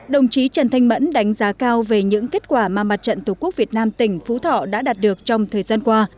đồng chí trần thanh mẫn đánh giá cao về những kết quả mà mặt trận tổ quốc việt nam tỉnh phú thọ đã đạt được trong thời gian qua